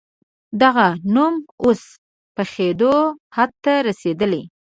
دغه نوم اوس پخېدو حد ته رسېدلی دی.